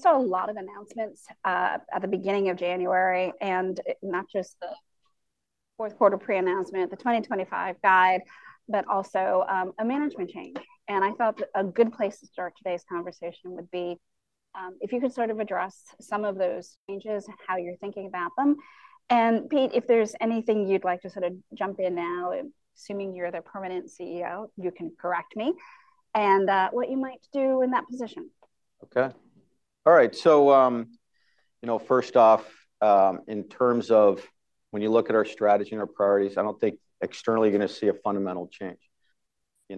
So we saw a lot of announcements at the beginning of January, and not just the fourth quarter pre-announcement, the 2025 guide, but also a management change. And I thought a good place to start today's conversation would be if you could sort of address some of those changes and how you're thinking about them. And Pete, if there's anything you'd like to sort of jump in now, assuming you're the permanent CEO, you can correct me, and what you might do in that position. Okay. All right. So first off, in terms of when you look at our strategy and our priorities, I don't think externally you're going to see a fundamental change.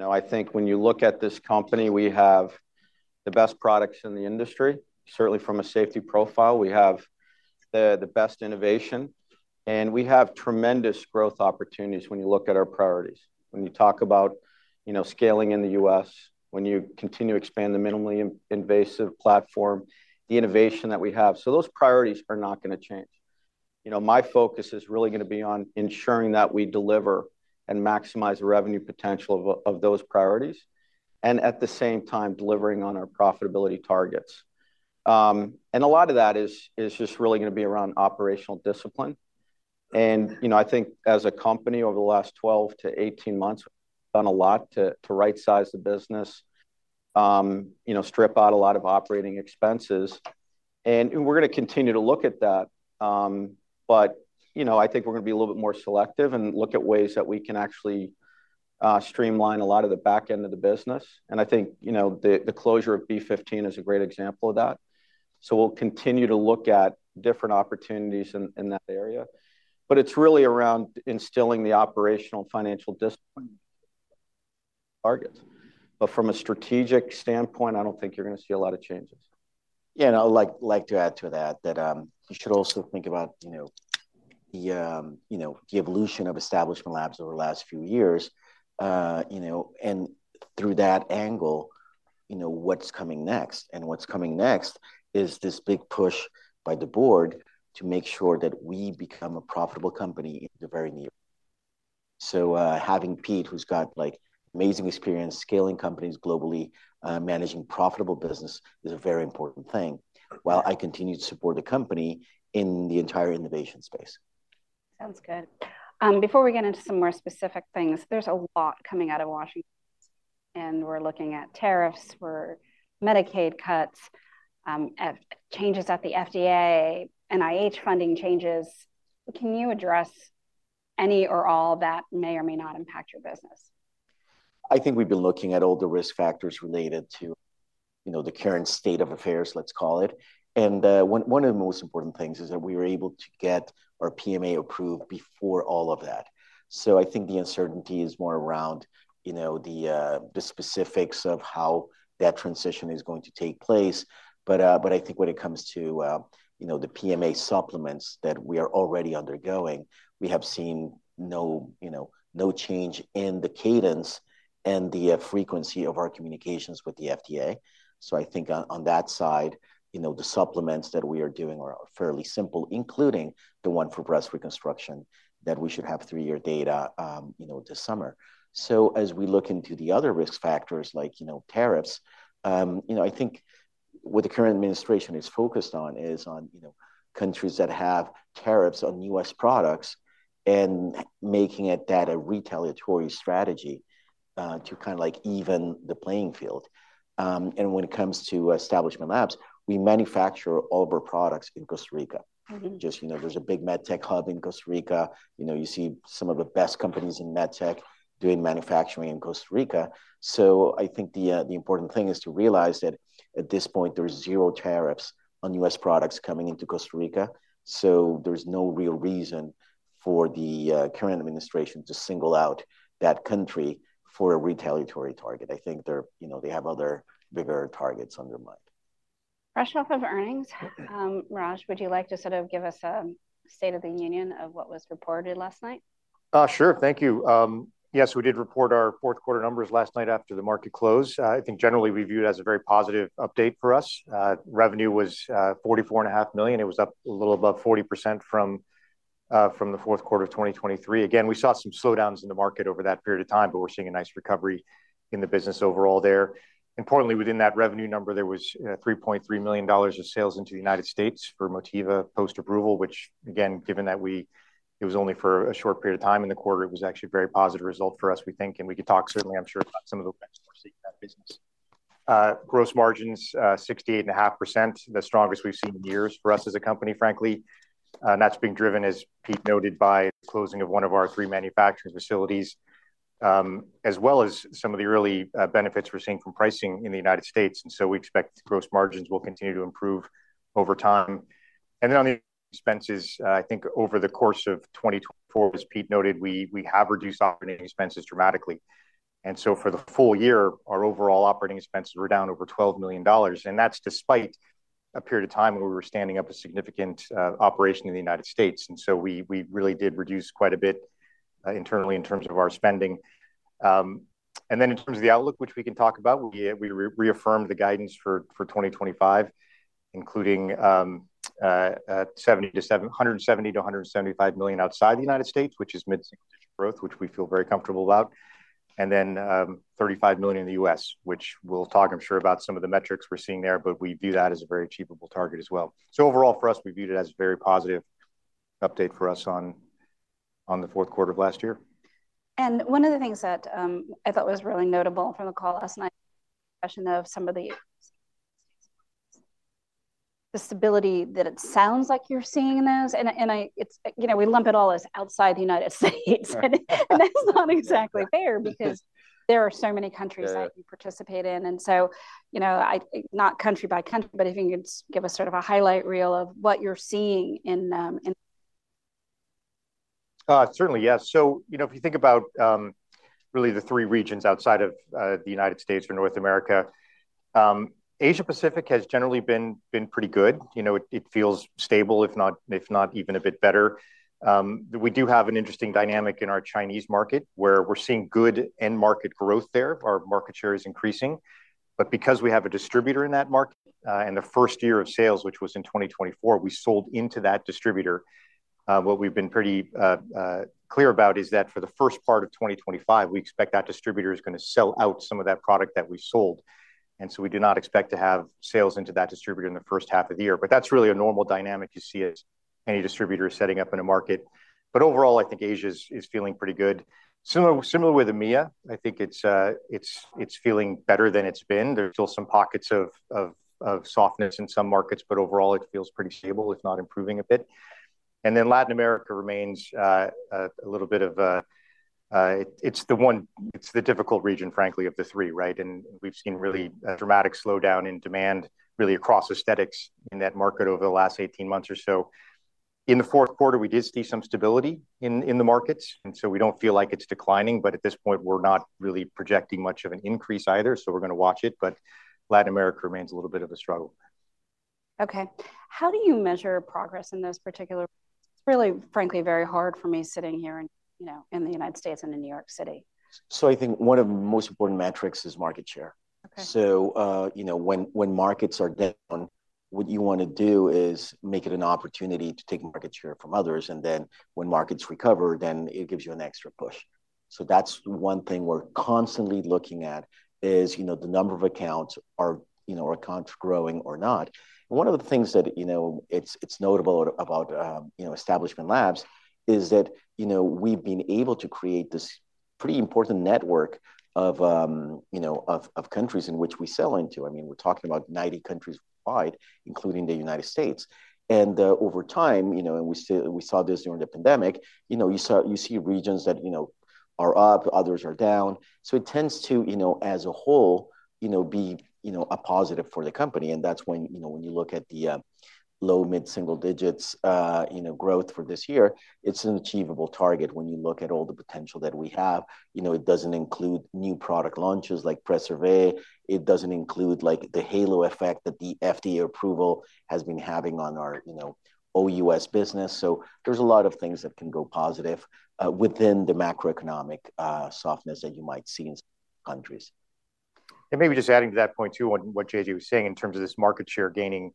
I think when you look at this company, we have the best products in the industry, certainly from a safety profile. We have the best innovation, and we have tremendous growth opportunities when you look at our priorities. When you talk about scaling in the U.S., when you continue to expand the minimally invasive platform, the innovation that we have, so those priorities are not going to change. My focus is really going to be on ensuring that we deliver and maximize the revenue potential of those priorities, and at the same time, delivering on our profitability targets. And a lot of that is just really going to be around operational discipline. I think as a company, over the last 12-18 months, we've done a lot to right-size the business, strip out a lot of operating expenses. And we're going to continue to look at that. But I think we're going to be a little bit more selective and look at ways that we can actually streamline a lot of the back end of the business. And I think the closure of B15 is a great example of that. So we'll continue to look at different opportunities in that area. But it's really around instilling the operational financial discipline targets. But from a strategic standpoint, I don't think you're going to see a lot of changes. Yeah. And I'd like to add to that that you should also think about the evolution of Establishment Labs over the last few years. And through that angle, what's coming next? And what's coming next is this big push by the board to make sure that we become a profitable company in the very near future. So having Pete, who's got amazing experience scaling companies globally, managing profitable business is a very important thing while I continue to support the company in the entire innovation space. Sounds good. Before we get into some more specific things, there's a lot coming out of Washington, and we're looking at tariffs, we're Medicaid cuts, changes at the FDA, NIH funding changes. Can you address any or all that may or may not impact your business? I think we've been looking at all the risk factors related to the current state of affairs, let's call it, and one of the most important things is that we were able to get our PMA approved before all of that, so I think the uncertainty is more around the specifics of how that transition is going to take place, but I think when it comes to the PMA supplements that we are already undergoing, we have seen no change in the cadence and the frequency of our communications with the FDA, so I think on that side, the supplements that we are doing are fairly simple, including the one for breast reconstruction that we should have three-year data this summer. So as we look into the other risk factors like tariffs, I think what the current administration is focused on is on countries that have tariffs on U.S. products and making that a retaliatory strategy to kind of even the playing field. And when it comes to Establishment Labs, we manufacture all of our products in Costa Rica. There's a big medtech hub in Costa Rica. You see some of the best companies in medtech doing manufacturing in Costa Rica. So I think the important thing is to realize that at this point, there are zero tariffs on U.S. products coming into Costa Rica. So there's no real reason for the current administration to single out that country for a retaliatory target. I think they have other bigger targets on their mind. Fresh off of earnings, Raj, would you like to sort of give us a state of the union of what was reported last night? Sure. Thank you. Yes, we did report our fourth quarter numbers last night after the market closed. I think generally we view it as a very positive update for us. Revenue was $44.5 million. It was up a little above 40% from the fourth quarter of 2023. Again, we saw some slowdowns in the market over that period of time, but we're seeing a nice recovery in the business overall there. Importantly, within that revenue number, there was $3.3 million of sales into the United States for Motiva post-approval, which again, given that it was only for a short period of time in the quarter, it was actually a very positive result for us, we think, and we could talk certainly, I'm sure, about some of the benchmarks in that business. Gross margins, 68.5%, the strongest we've seen in years for us as a company, frankly. And that's being driven, as Pete noted, by the closing of one of our three manufacturing facilities, as well as some of the early benefits we're seeing from pricing in the United States. And so we expect gross margins will continue to improve over time. And then on the expenses, I think over the course of 2024, as Pete noted, we have reduced operating expenses dramatically. And so for the full year, our overall operating expenses were down over $12 million. And that's despite a period of time when we were standing up a significant operation in the United States. And so we really did reduce quite a bit internally in terms of our spending. And then in terms of the outlook, which we can talk about, we reaffirmed the guidance for 2025, including $170 million-$175 million outside the United States, which is mid-single-digit growth, which we feel very comfortable about. And then $35 million in the U.S., which we'll talk, I'm sure, about some of the metrics we're seeing there, but we view that as a very achievable target as well. So overall, for us, we viewed it as a very positive update for us on the fourth quarter of last year. And one of the things that I thought was really notable from the call last night, the discussion of some of the stability that it sounds like you're seeing in those, and we lump it all as outside the United States. And that's not exactly fair because there are so many countries that you participate in. And so not country by country, but if you could give us sort of a highlight reel of what you're seeing in. Certainly, yes, so if you think about really the three regions outside of the United States or North America, Asia-Pacific has generally been pretty good. It feels stable, if not even a bit better. We do have an interesting dynamic in our Chinese market where we're seeing good end market growth there. Our market share is increasing. But because we have a distributor in that market and the first year of sales, which was in 2024, we sold into that distributor. What we've been pretty clear about is that for the first part of 2025, we expect that distributor is going to sell out some of that product that we sold. And so we do not expect to have sales into that distributor in the first half of the year. But that's really a normal dynamic you see as any distributor is setting up in a market. But overall, I think Asia is feeling pretty good. Similar with EMEA, I think it's feeling better than it's been. There's still some pockets of softness in some markets, but overall, it feels pretty stable, if not improving a bit. And then Latin America remains a little bit, it's the difficult region, frankly, of the three, right? And we've seen really a dramatic slowdown in demand really across aesthetics in that market over the last 18 months or so. In the fourth quarter, we did see some stability in the markets. And so we don't feel like it's declining, but at this point, we're not really projecting much of an increase either. So we're going to watch it. But Latin America remains a little bit of a struggle. Okay. How do you measure progress in those particular? It's really, frankly, very hard for me sitting here in the United States and in New York City. I think one of the most important metrics is market share. When markets are down, what you want to do is make it an opportunity to take market share from others. And then when markets recover, then it gives you an extra push. That's one thing we're constantly looking at: the number of accounts. Are accounts growing or not? One of the things that's notable about Establishment Labs is that we've been able to create this pretty important network of countries in which we sell into. I mean, we're talking about 90 countries wide, including the United States. And over time, and we saw this during the pandemic, you see regions that are up, others are down. It tends to, as a whole, be a positive for the company. That's when you look at the low, mid-single-digits growth for this year, it's an achievable target when you look at all the potential that we have. It doesn't include new product launches like Preservé. It doesn't include the halo effect that the FDA approval has been having on our OUS business. So there's a lot of things that can go positive within the macroeconomic softness that you might see in some countries. And maybe just adding to that point too, what JJ was saying in terms of this market share gaining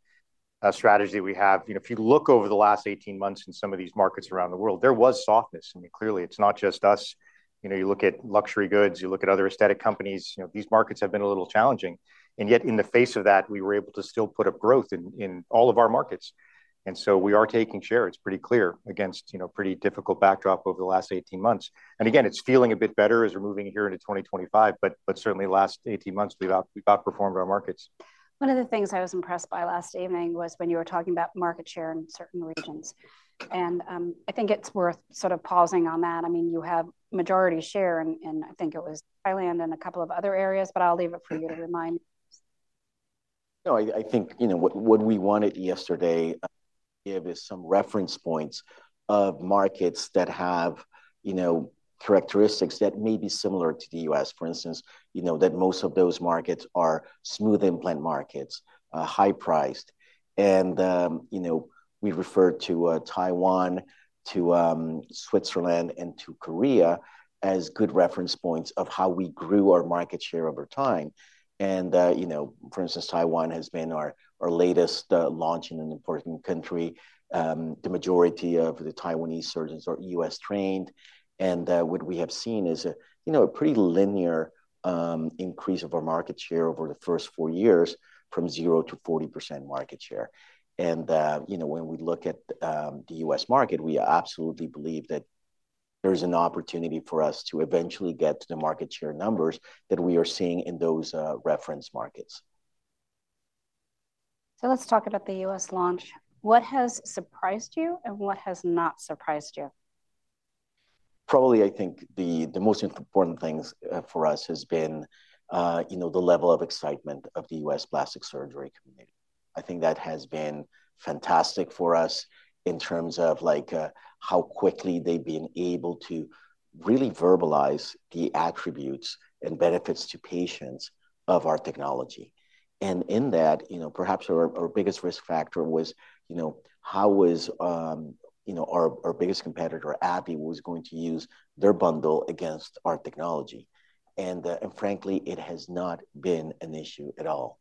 strategy that we have, if you look over the last 18 months in some of these markets around the world, there was softness. I mean, clearly, it's not just us. You look at luxury goods, you look at other aesthetic companies, these markets have been a little challenging. And yet in the face of that, we were able to still put up growth in all of our markets. And so we are taking share. It's pretty clear against a pretty difficult backdrop over the last 18 months. And again, it's feeling a bit better as we're moving here into 2025, but certainly the last 18 months, we've outperformed our markets. One of the things I was impressed by last evening was when you were talking about market share in certain regions, and I think it's worth sort of pausing on that. I mean, you have majority share in, I think it was Thailand and a couple of other areas, but I'll leave it for you to remind. No, I think what we wanted yesterday is some reference points of markets that have characteristics that may be similar to the U.S., for instance, that most of those markets are smooth implant markets, high priced. And we referred to Taiwan, to Switzerland, and to Korea as good reference points of how we grew our market share over time. And for instance, Taiwan has been our latest launch in an important country. The majority of the Taiwanese surgeons are U.S. trained. And what we have seen is a pretty linear increase of our market share over the first four years from 0 to 40% market share. And when we look at the U.S. market, we absolutely believe that there is an opportunity for us to eventually get to the market share numbers that we are seeing in those reference markets. So let's talk about the U.S. launch. What has surprised you and what has not surprised you? Probably, I think the most important things for us has been the level of excitement of the U.S. plastic surgery community. I think that has been fantastic for us in terms of how quickly they've been able to really verbalize the attributes and benefits to patients of our technology. And in that, perhaps our biggest risk factor was how our biggest competitor, AbbVie, was going to use their bundle against our technology. And frankly, it has not been an issue at all,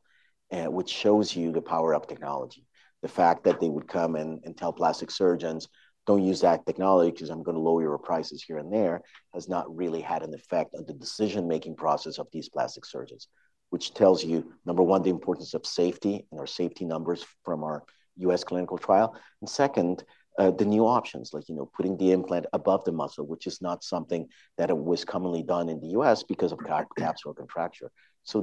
which shows you the power of technology. The fact that they would come and tell plastic surgeons, "Don't use that technology because I'm going to lower your prices here and there," has not really had an effect on the decision-making process of these plastic surgeons, which tells you, number one, the importance of safety and our safety numbers from our U.S. clinical trial. Second, the new options, like putting the implant above the muscle, which is not something that was commonly done in the U.S. because of capsular contracture.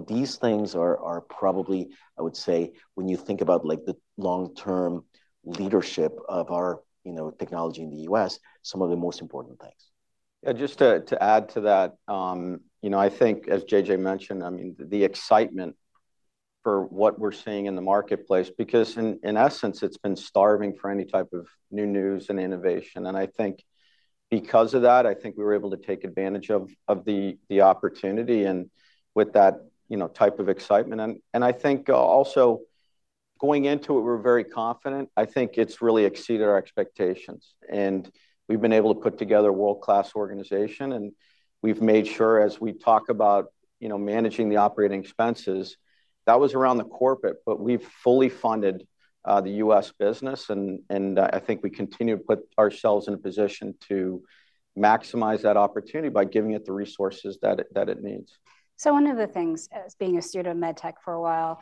These things are probably, I would say, when you think about the long-term leadership of our technology in the U.S., some of the most important things. Yeah, just to add to that, I think, as JJ mentioned, I mean, the excitement for what we're seeing in the marketplace, because in essence, it's been starving for any type of new news and innovation. And I think because of that, I think we were able to take advantage of the opportunity and with that type of excitement. And I think also going into it, we were very confident. I think it's really exceeded our expectations. And we've been able to put together a world-class organization. And we've made sure as we talk about managing the operating expenses, that was around the corporate, but we've fully funded the U.S. business. And I think we continue to put ourselves in a position to maximize that opportunity by giving it the resources that it needs. One of the things as being a student of medtech for a while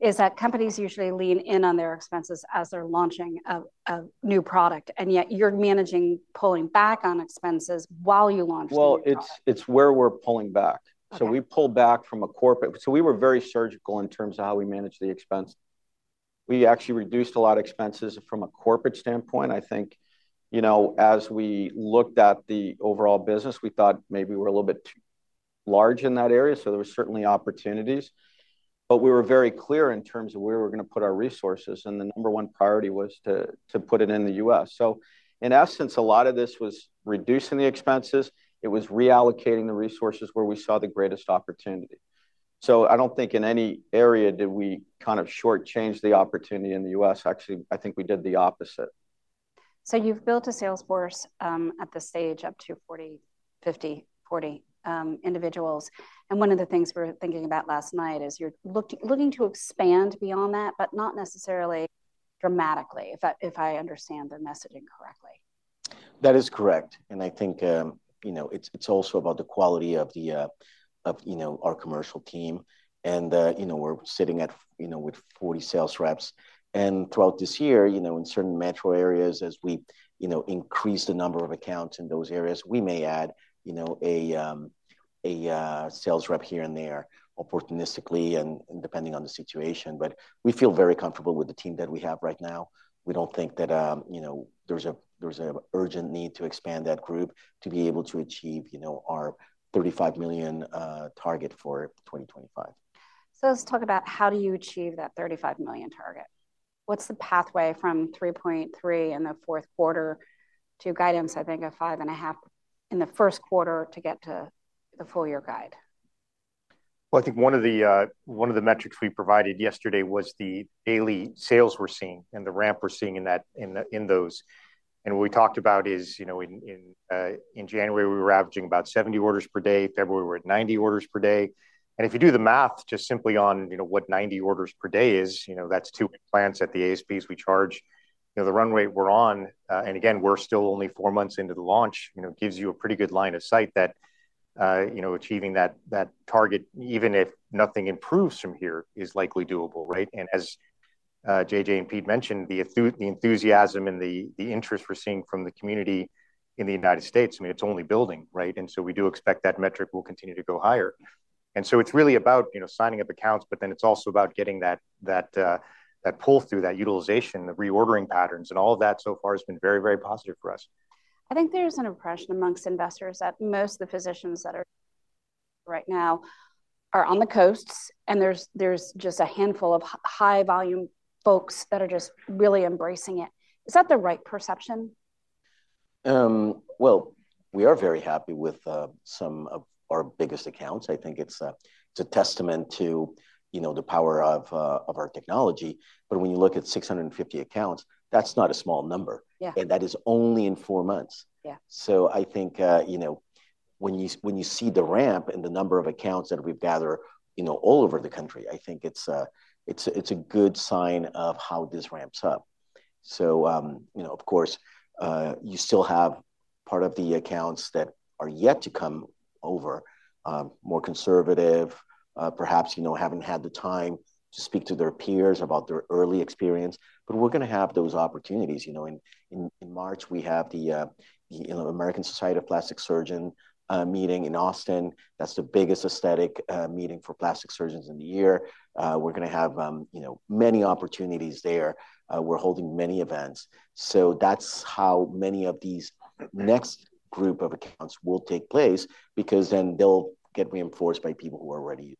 is that companies usually lean in on their expenses as they're launching a new product. Yet you're managing pulling back on expenses while you launch the new product. Well, it's where we're pulling back, so we pull back from a corporate, so we were very surgical in terms of how we manage the expense. We actually reduced a lot of expenses from a corporate standpoint. I think as we looked at the overall business, we thought maybe we're a little bit too large in that area, so there were certainly opportunities, but we were very clear in terms of where we're going to put our resources, and the number one priority was to put it in the U.S., so in essence, a lot of this was reducing the expenses. It was reallocating the resources where we saw the greatest opportunity, so I don't think in any area did we kind of shortchange the opportunity in the U.S. Actually, I think we did the opposite. So you've built a sales force at this stage up to 40, 50, 40 individuals. And one of the things we were thinking about last night is you're looking to expand beyond that, but not necessarily dramatically, if I understand the messaging correctly. That is correct. And I think it's also about the quality of our commercial team. And we're sitting with 40 sales reps. And throughout this year, in certain metro areas, as we increase the number of accounts in those areas, we may add a sales rep here and there opportunistically and depending on the situation. But we feel very comfortable with the team that we have right now. We don't think that there's an urgent need to expand that group to be able to achieve our $35 million target for 2025. Let's talk about how do you achieve that $35 million target. What's the pathway from $3.3 million in the fourth quarter to guidance, I think, of $5.5 million in the first quarter to get to the full year guide? I think one of the metrics we provided yesterday was the daily sales we're seeing and the ramp we're seeing in those. What we talked about is in January, we were averaging about 70 orders per day. In February, we were at 90 orders per day. If you do the math, just simply on what 90 orders per day is, that's two implants at the ASPs we charge. The runway we're on, and again, we're still only four months into the launch, gives you a pretty good line of sight that achieving that target, even if nothing improves from here, is likely doable, right? As JJ and Pete mentioned, the enthusiasm and the interest we're seeing from the community in the United States, I mean, it's only building, right? We do expect that metric will continue to go higher. And so it's really about signing up accounts, but then it's also about getting that pull through, that utilization, the reordering patterns, and all of that so far has been very, very positive for us. I think there's an impression among investors that most of the physicians that are right now are on the coasts, and there's just a handful of high-volume folks that are just really embracing it. Is that the right perception? We are very happy with some of our biggest accounts. I think it's a testament to the power of our technology. When you look at 650 accounts, that's not a small number. That is only in four months. I think when you see the ramp and the number of accounts that we've gathered all over the country, I think it's a good sign of how this ramps up. Of course, you still have part of the accounts that are yet to come over, more conservative, perhaps haven't had the time to speak to their peers about their early experience. We're going to have those opportunities. In March, we have the American Society of Plastic Surgeons meeting in Austin. That's the biggest aesthetic meeting for plastic surgeons in the year. We're going to have many opportunities there. We're holding many events. So that's how many of these next group of accounts will take place because then they'll get reinforced by people who are ready.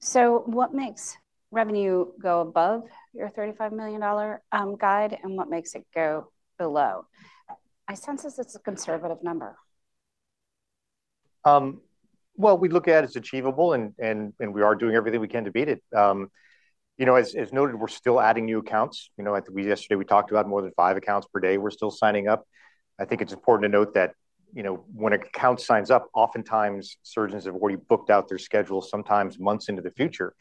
So what makes revenue go above your $35 million guide and what makes it go below? I sense this is a conservative number. We look at it as achievable, and we are doing everything we can to beat it. As noted, we're still adding new accounts. Yesterday, we talked about more than five accounts per day. We're still signing up. I think it's important to note that when an account signs up, oftentimes surgeons have already booked out their schedule, sometimes months into the future.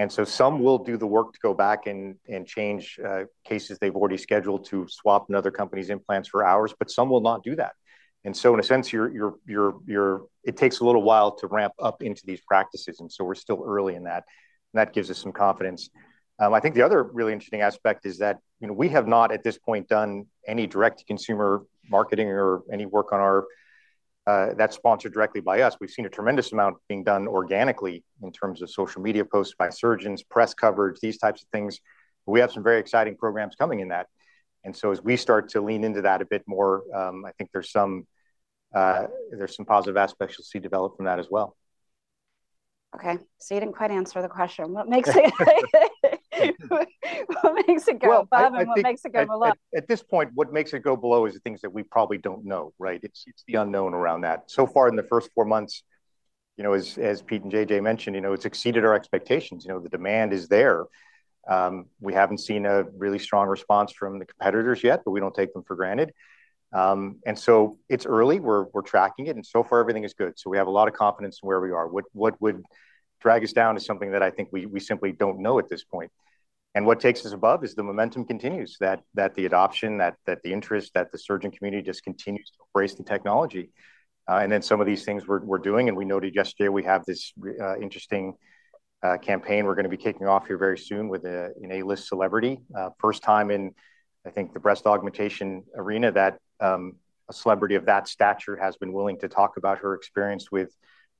And so some will do the work to go back and change cases they've already scheduled to swap another company's implants for ours, but some will not do that. And so in a sense, it takes a little while to ramp up into these practices. And so we're still early in that. And that gives us some confidence. I think the other really interesting aspect is that we have not at this point done any direct-to-consumer marketing or any work that's sponsored directly by us. We've seen a tremendous amount being done organically in terms of social media posts by surgeons, press coverage, these types of things. We have some very exciting programs coming in that, and so as we start to lean into that a bit more, I think there's some positive aspects you'll see develop from that as well. Okay. So you didn't quite answer the question. What makes it go above and what makes it go below? At this point, what makes it go below is the things that we probably don't know, right? It's the unknown around that. So far in the first four months, as Pete and JJ mentioned, it's exceeded our expectations. The demand is there. We haven't seen a really strong response from the competitors yet, but we don't take them for granted. And so it's early. We're tracking it. And so far, everything is good. So we have a lot of confidence in where we are. What would drag us down is something that I think we simply don't know at this point. And what takes us above is the momentum continues, that the adoption, that the interest, that the surgeon community just continues to embrace the technology. And then some of these things we're doing. And we noted yesterday we have this interesting campaign. We're going to be kicking off here very soon with an A-list celebrity, first time in, I think, the breast augmentation arena that a celebrity of that stature has been willing to talk about her experience with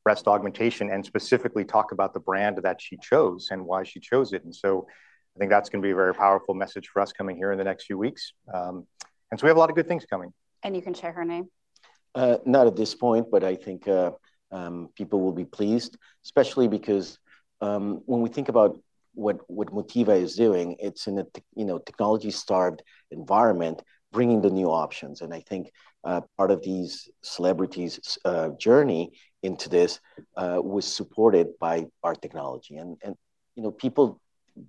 breast augmentation and specifically talk about the brand that she chose and why she chose it, and so I think that's going to be a very powerful message for us coming here in the next few weeks, and so we have a lot of good things coming. And you can share her name. Not at this point, but I think people will be pleased, especially because when we think about what Motiva is doing, it's in a technology-starved environment bringing the new options. And I think part of these celebrities' journey into this was supported by our technology. And people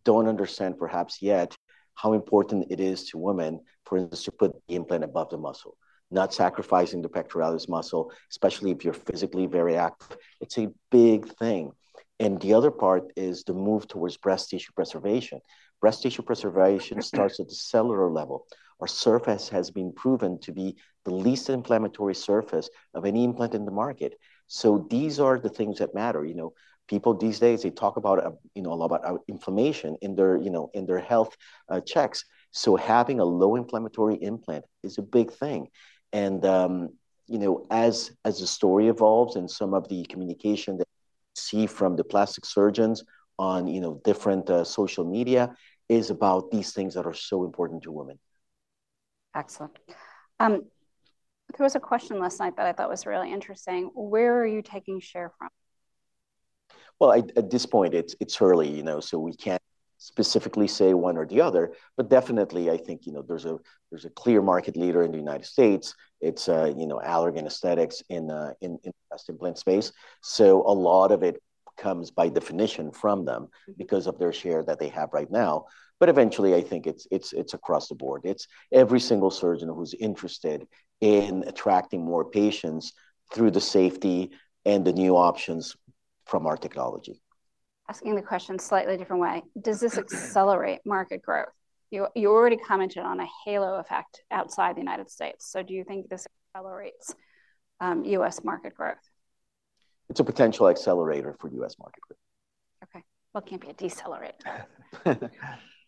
don't understand perhaps yet how important it is to women, for instance, to put the implant above the muscle, not sacrificing the pectoralis muscle, especially if you're physically very active. It's a big thing. And the other part is the move towards breast tissue preservation. Breast tissue preservation starts at the cellular level. Our surface has been proven to be the least inflammatory surface of any implant in the market. So these are the things that matter. People these days, they talk a lot about inflammation in their health checks. So having a low inflammatory implant is a big thing. As the story evolves and some of the communication that we see from the plastic surgeons on different social media is about these things that are so important to women. Excellent. There was a question last night that I thought was really interesting. Where are you taking share from? At this point, it's early. We can't specifically say one or the other, but definitely, I think there's a clear market leader in the United States. It's Allergan Aesthetics in the breast implant space. A lot of it comes by definition from them because of their share that they have right now. Eventually, I think it's across the board. It's every single surgeon who's interested in attracting more patients through the safety and the new options from our technology. Asking the question slightly a different way. Does this accelerate market growth? You already commented on a halo effect outside the United States. So do you think this accelerates U.S. market growth? It's a potential accelerator for U.S. market growth. Okay. Well, it can't be a decelerator.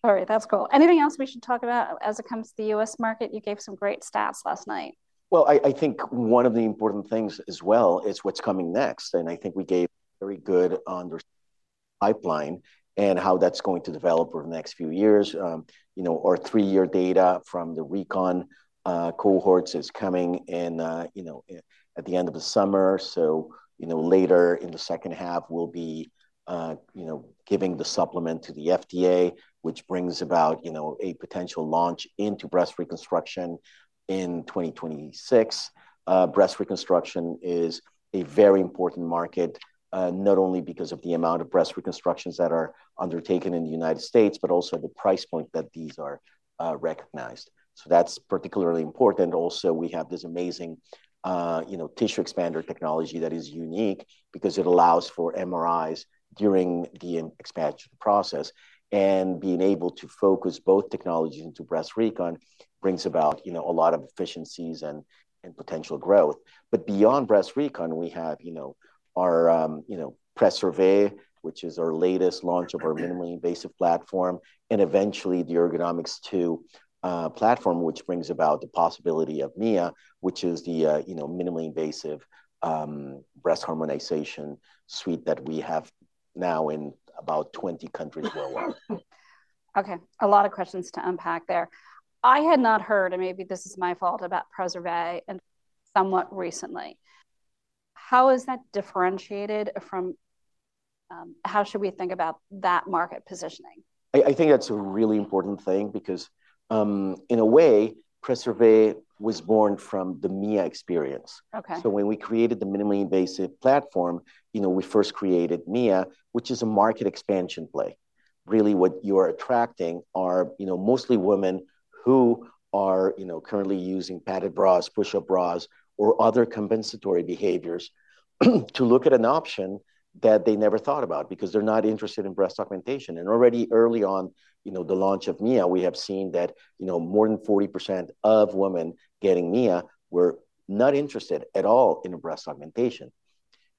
All right. That's cool. Anything else we should talk about when it comes to the U.S. market? You gave some great stats last night. I think one of the important things as well is what's coming next. And I think we gave a very good understanding of the pipeline and how that's going to develop over the next few years. Our three-year data from the recon cohorts is coming at the end of the summer. So later in the second half, we'll be giving the supplement to the FDA, which brings about a potential launch into breast reconstruction in 2026. Breast reconstruction is a very important market, not only because of the amount of breast reconstructions that are undertaken in the United States, but also the price point that these are recognized. So that's particularly important. Also, we have this amazing tissue expander technology that is unique because it allows for MRIs during the expansion process. And being able to focus both technologies into breast recon brings about a lot of efficiencies and potential growth. But beyond breast recon, we have our Preservé, which is our latest launch of our minimally invasive platform, and eventually the Ergonomix2 platform, which brings about the possibility of Mia, which is the minimally invasive breast harmonization suite that we have now in about 20 countries worldwide. Okay. A lot of questions to unpack there. I had not heard, and maybe this is my fault, about Preservé somewhat recently. How is that differentiated from how should we think about that market positioning? I think that's a really important thing because in a way, Preservé was born from the Mia experience, so when we created the minimally invasive platform, we first created Mia, which is a market expansion play. Really, what you are attracting are mostly women who are currently using padded bras, push-up bras, or other compensatory behaviors to look at an option that they never thought about because they're not interested in breast augmentation, and already early on the launch of Mia, we have seen that more than 40% of women getting Mia were not interested at all in breast augmentation.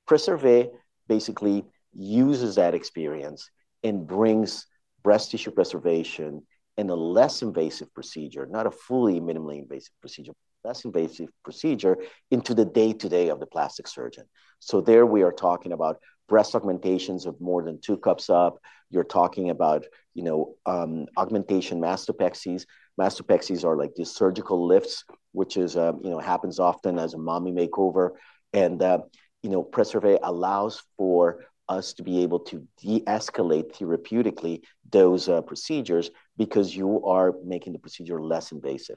Preservé basically uses that experience and brings breast tissue preservation and a less invasive procedure, not a fully minimally invasive procedure, less invasive procedure into the day-to-day of the plastic surgeon, so there we are talking about breast augmentations of more than two cups up. You're talking about augmentation mastopexies. Mastopexies are like these surgical lifts, which happens often as a mommy makeover, and Preservé allows for us to be able to de-escalate therapeutically those procedures because you are making the procedure less invasive,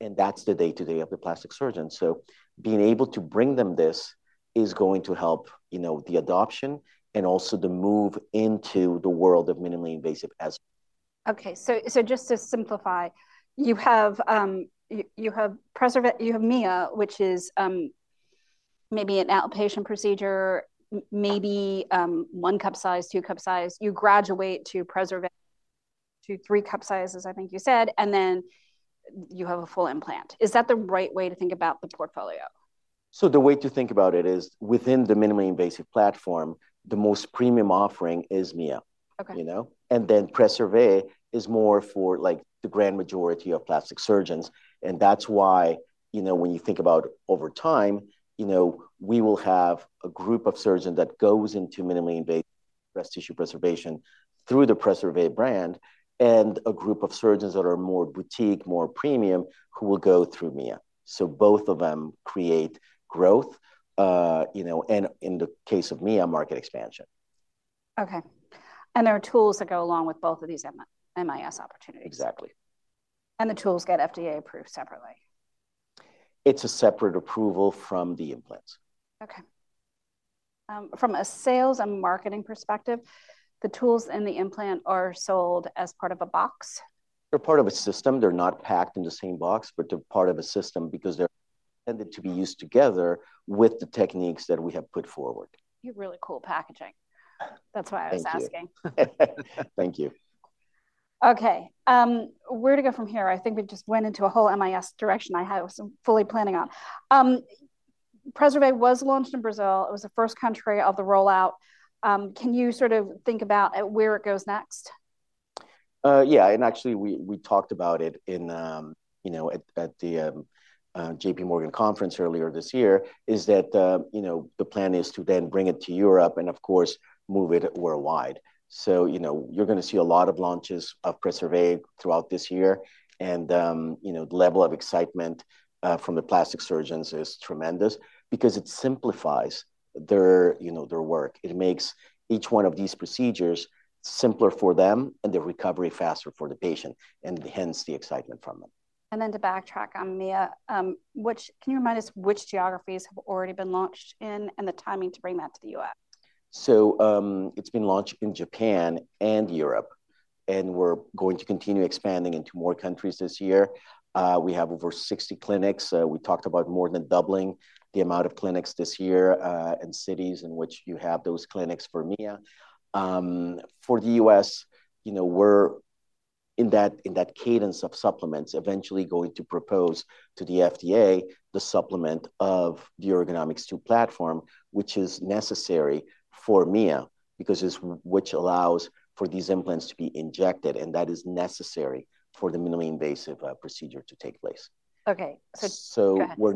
and that's the day-to-day of the plastic surgeon, so being able to bring them this is going to help the adoption and also the move into the world of minimally invasive. Okay, so just to simplify, you have Mia, which is maybe an outpatient procedure, maybe one cup size, two cup size. You graduate to Preservé to three cup sizes, I think you said, and then you have a full implant. Is that the right way to think about the portfolio? So the way to think about it is within the minimally invasive platform, the most premium offering is Mia. And then Preservé is more for the vast majority of plastic surgeons. And that's why when you think about over time, we will have a group of surgeons that goes into minimally invasive breast tissue preservation through the Preservé brand and a group of surgeons that are more boutique, more premium who will go through Mia. So both of them create growth and in the case of Mia, market expansion. Okay. And there are tools that go along with both of these MIS opportunities. Exactly. And the tools get FDA approved separately? It's a separate approval from the implants. Okay. From a sales and marketing perspective, the tools and the implant are sold as part of a box? They're part of a system. They're not packed in the same box, but they're part of a system because they're intended to be used together with the techniques that we have put forward. You have really cool packaging. That's why I was asking. Thank you. Okay. Where to go from here? I think we just went into a whole Mia direction I had fully planned on. Preservé was launched in Brazil. It was the first country of the rollout. Can you sort of think about where it goes next? Yeah. And actually, we talked about it at the J.P. Morgan conference earlier this year is that the plan is to then bring it to Europe and, of course, move it worldwide. So you're going to see a lot of launches of Preservé throughout this year. And the level of excitement from the plastic surgeons is tremendous because it simplifies their work. It makes each one of these procedures simpler for them and the recovery faster for the patient and hence the excitement from them. Then to backtrack on Mia, can you remind us which geographies have already been launched in and the timing to bring that to the U.S.? It's been launched in Japan and Europe, and we're going to continue expanding into more countries this year. We have over 60 clinics. We talked about more than doubling the amount of clinics this year and cities in which you have those clinics for Mia. For the U.S., we're in that cadence of supplements, eventually going to propose to the FDA the supplement of the Ergonomix2 platform, which is necessary for Mia because it's which allows for these implants to be injected. And that is necessary for the minimally invasive procedure to take place. Okay. So we're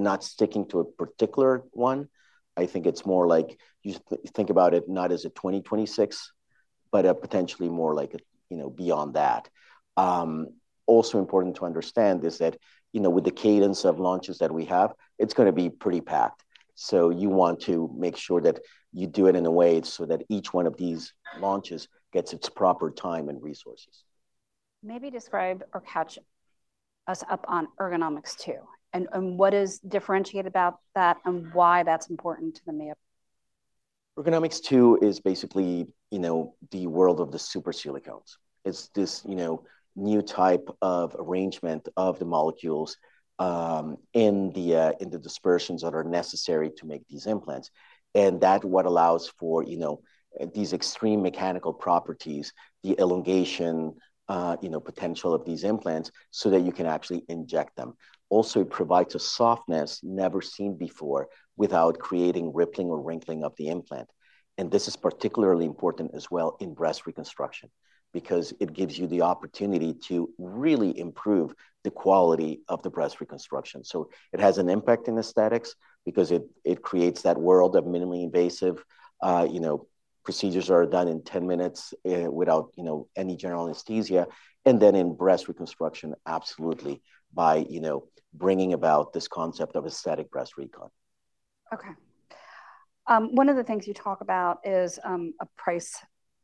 not sticking to a particular one. I think it's more like you think about it not as a 2026, but potentially more like beyond that. Also important to understand is that with the cadence of launches that we have, it's going to be pretty packed. So you want to make sure that you do it in a way so that each one of these launches gets its proper time and resources. Maybe describe or catch us up on Ergonomix2, and what is differentiated about that and why that's important to the Mia? Ergonomix2, is basically the world of the super silicones. It's this new type of arrangement of the molecules in the dispersions that are necessary to make these implants. And that's what allows for these extreme mechanical properties, the elongation potential of these implants so that you can actually inject them. Also, it provides a softness never seen before without creating rippling or wrinkling of the implant. And this is particularly important as well in breast reconstruction because it gives you the opportunity to really improve the quality of the breast reconstruction. So it has an impact in aesthetics because it creates that world of minimally invasive procedures that are done in 10 minutes without any general anesthesia. And then in breast reconstruction, absolutely by bringing about this concept of aesthetic breast recon. Okay. One of the things you talk about is a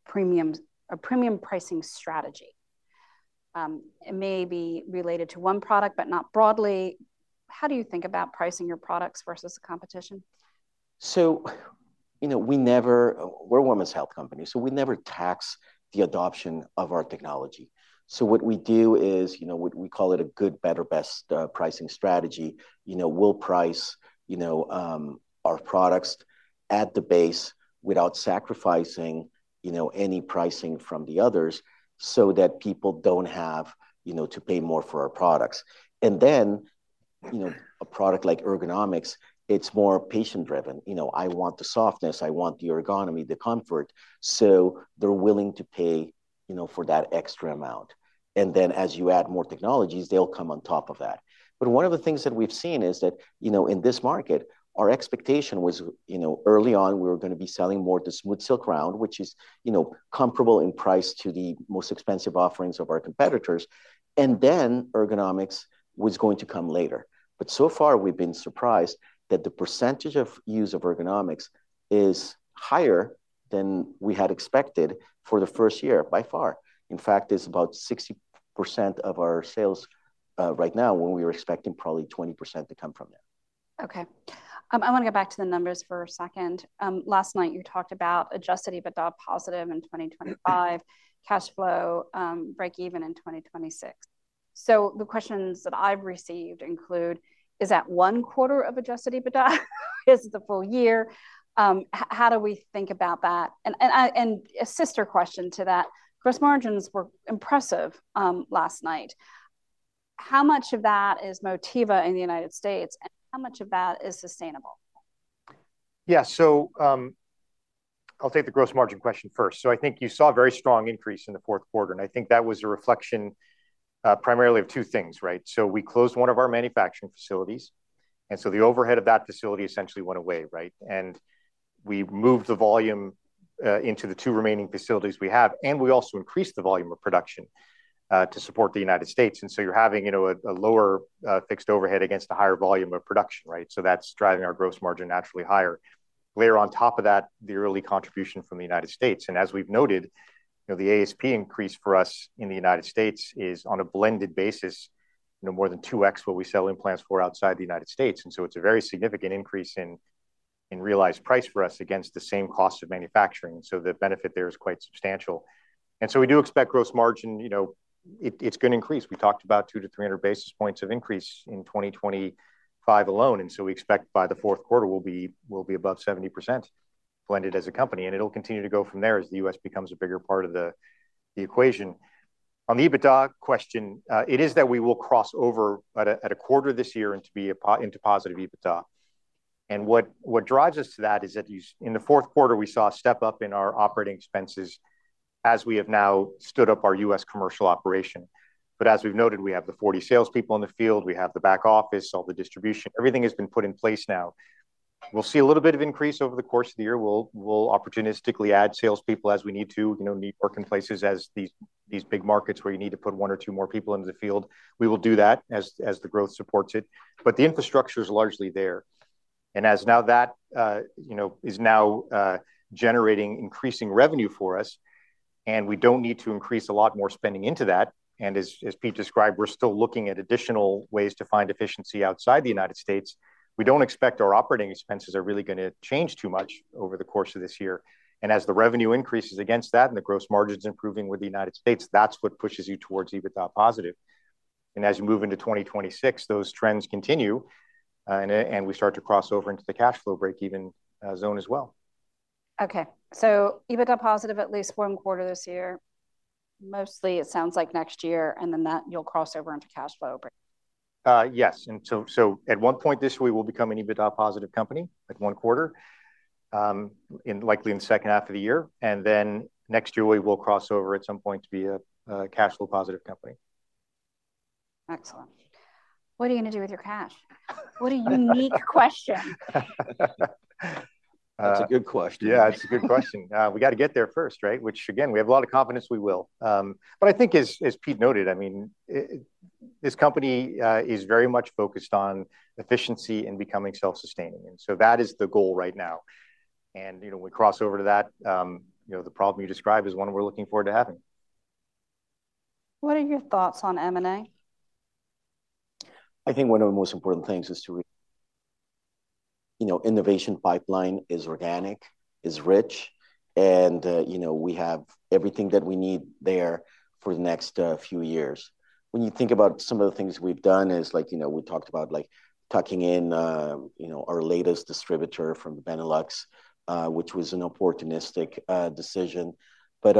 premium pricing strategy. It may be related to one product, but not broadly. How do you think about pricing your products versus the competition? So, we're a women's health company, so we never tax the adoption of our technology. So, what we do is we call it a good, better, best pricing strategy. We'll price our products at the base without sacrificing any pricing from the others so that people don't have to pay more for our products. And then, a product like Ergonomix, it's more patient-driven. I want the softness. I want the ergonomics, the comfort. So, they're willing to pay for that extra amount. And then, as you add more technologies, they'll come on top of that. But one of the things that we've seen is that in this market, our expectation was early on we were going to be selling more the SmoothSilk Round, which is comparable in price to the most expensive offerings of our competitors. And then, Ergonomix was going to come later. But so far, we've been surprised that the percentage of use of Ergonomix is higher than we had expected for the first year by far. In fact, it's about 60% of our sales right now when we were expecting probably 20% to come from there. Okay. I want to go back to the numbers for a second. Last night, you talked about adjusted EBITDA positive in 2025, cash flow break even in 2026. So the questions that I've received include, is that one quarter of adjusted EBITDA is the full year? How do we think about that? And a sister question to that, gross margins were impressive last night. How much of that is Motiva in the United States and how much of that is sustainable? Yeah, so I'll take the gross margin question first, so I think you saw a very strong increase in the fourth quarter, and I think that was a reflection primarily of two things, right, so we closed one of our manufacturing facilities, and so the overhead of that facility essentially went away, right, and we moved the volume into the two remaining facilities we have, and we also increased the volume of production to support the United States, and so you're having a lower fixed overhead against a higher volume of production, right, so that's driving our gross margin naturally higher, layer on top of that, the early contribution from the United States, and as we've noted, the ASP increase for us in the United States is on a blended basis, more than 2x what we sell implants for outside the United States. It's a very significant increase in realized price for us against the same cost of manufacturing. So the benefit there is quite substantial. We do expect gross margin; it's going to increase. We talked about 200 to 300 basis points of increase in 2025 alone. We expect by the fourth quarter, we'll be above 70% blended as a company. It'll continue to go from there as the U.S. becomes a bigger part of the equation. On the EBITDA question, it is that we will cross over at a quarter this year into positive EBITDA. What drives us to that is that in the fourth quarter, we saw a step up in our operating expenses as we have now stood up our U.S. commercial operation. But as we've noted, we have the 40 salespeople in the field. We have the back office, all the distribution. Everything has been put in place now. We'll see a little bit of increase over the course of the year. We'll opportunistically add salespeople as we need to, need working places as these big markets where you need to put one or two more people into the field. We will do that as the growth supports it, but the infrastructure is largely there. And now that is generating increasing revenue for us, and we don't need to increase a lot more spending into that. And as Pete described, we're still looking at additional ways to find efficiency outside the United States. We don't expect our operating expenses are really going to change too much over the course of this year. And as the revenue increases against that and the gross margins improving with the United States, that's what pushes you towards EBITDA positive. And as you move into 2026, those trends continue and we start to cross over into the cash flow break even zone as well. Okay. So EBITDA positive at least one quarter this year. Mostly it sounds like next year and then that you'll cross over into cash flow. Yes. And so at one point this week, we'll become an EBITDA positive company at one quarter, likely in the second half of the year. And then next year, we will cross over at some point to be a cash flow positive company. Excellent. What are you going to do with your cash? What a unique question. That's a good question. Yeah, it's a good question. We got to get there first, right? Which again, we have a lot of confidence we will. But I think as Pete noted, I mean, this company is very much focused on efficiency and becoming self-sustaining. And so that is the goal right now. And when we cross over to that, the problem you describe is one we're looking forward to having. What are your thoughts on M&A? I think one of the most important things is our innovation pipeline is organic, is rich, and we have everything that we need there for the next few years. When you think about some of the things we've done, it's like we talked about tucking in our latest distributor from Benelux, which was an opportunistic decision. But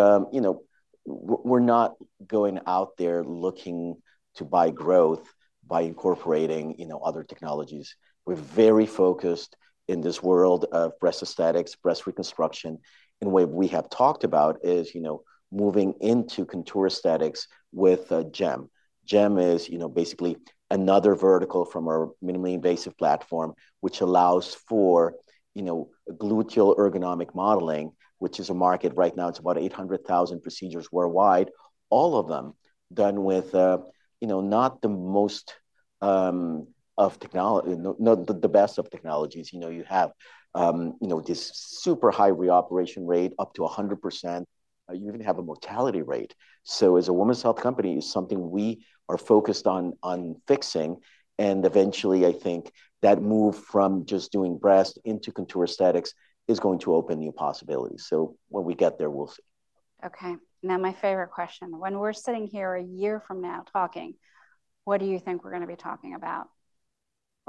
we're not going out there looking to buy growth by incorporating other technologies. We're very focused in this world of breast aesthetics, breast reconstruction, and what we have talked about is moving into contour aesthetics with GEM. GEM is basically another vertical from our minimally invasive platform, which allows for gluteal ergonomic modeling, which is a market right now. It's about 800,000 procedures worldwide, all of them done with not the most advanced technology, not the best of technologies. You have this super high reoperation rate, up to 100%. You even have a mortality rate, so as a women's health company, it's something we are focused on fixing, and eventually, I think that move from just doing breast into contour aesthetics is going to open new possibilities, so when we get there, we'll see. Okay. Now, my favorite question. When we're sitting here a year from now talking, what do you think we're going to be talking about?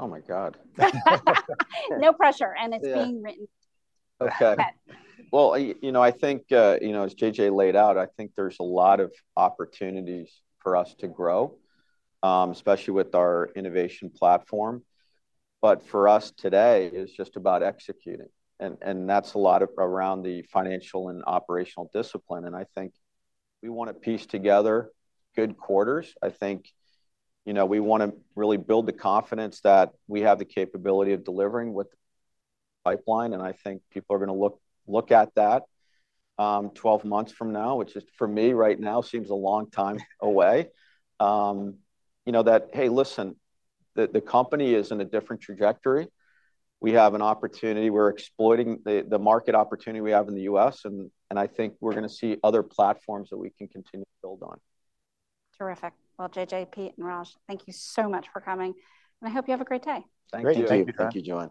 Oh my God! No pressure, and it's being written. Okay. I think, as JJ laid out, I think there's a lot of opportunities for us to grow, especially with our innovation platform. For us today, it's just about executing. That's a lot around the financial and operational discipline. I think we want to piece together good quarters. I think we want to really build the confidence that we have the capability of delivering with the pipeline. I think people are going to look at that 12 months from now, which for me right now seems a long time away, that, hey, listen, the company is in a different trajectory. We have an opportunity. We're exploiting the market opportunity we have in the U.S. I think we're going to see other platforms that we can continue to build on. Terrific. Well, JJ, Pete, and Raj, thank you so much for coming, and I hope you have a great day. Thank you. Thank you.